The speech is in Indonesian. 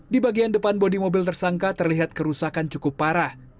di bagian depan bodi mobil tersangka terlihat kerusakan cukup parah